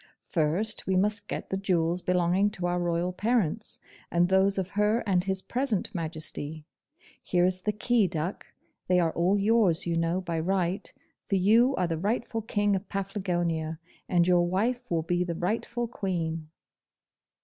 'First, we must get the jewels belonging to our royal parents. and those of her and his present Majesty. Here is the key, duck; they are all yours, you know, by right, for you are the rightful King of Paflagonia, and your wife will be the rightful Queen.